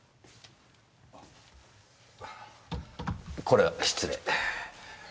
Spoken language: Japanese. これは失礼。